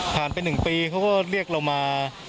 ไป๑ปีเขาก็เรียกเรามา